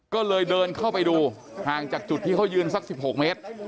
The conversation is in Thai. ก็เลยเดินเข้าไปดูห่างจากจุดที่เขายืนสัก๑๖เมตร